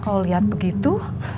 kalau lihat begitu